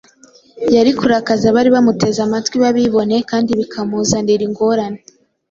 yari kurakaza abari bamuteze amatwi b’abibone kandi bikamuzanira ingorane.